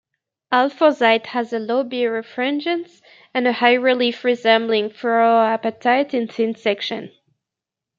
Alforsite has a low birefringence and a high relief resembling fluorapatite in thin-section.